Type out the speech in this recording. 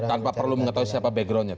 jadi tanpa perlu mengetahui siapa backgroundnya